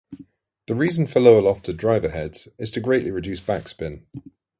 The reason for lower lofted driver heads is to greatly reduce back spin.